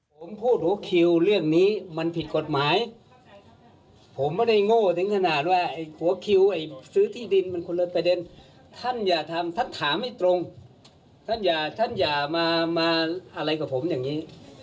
ผมพูดหัวคิวเรื่องนี้มันผิดกฎหมายผมไม่ได้โง่ถึงขนาดว่าไอ้หัวคิวไอ้ซื้อที่ดินมันคนละประเด็นท่านอย่าทำท่านถามให้ตรงท่านอย่าท่านอย่ามาอะไรกับผมอย่างนี้